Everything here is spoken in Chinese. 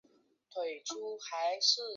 查德威克是以其祖父詹姆斯之名命名。